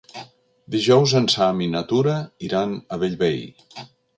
Dijous en Sam i na Tura iran a Bellvei.